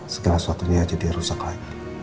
segala suatunya jadi rusak lagi